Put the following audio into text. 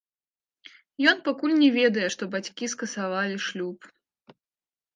Ён пакуль не ведае, што бацькі скасавалі шлюб.